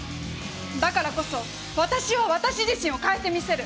だからこそ私は私自身を変えてみせる！